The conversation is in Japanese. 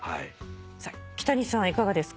キタニさんはいかがですか？